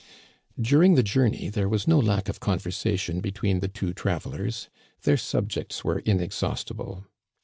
During the journey there was no lack of conversation between the two travelers ; their subjects were inex haustible.